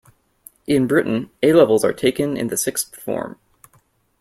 In Britain, A-levels are taken in the sixth form